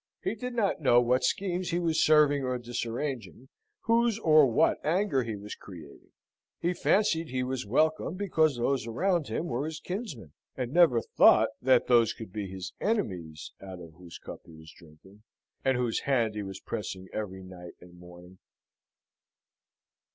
He did not know what schemes he was serving or disarranging, whose or what anger he was creating. He fancied he was welcome because those around him were his kinsmen, and never thought that those could be his enemies out of whose cup he was drinking, and whose hand he was pressing every night and morning.